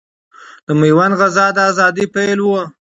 د ميوند غزا د اذادۍ پيل ؤ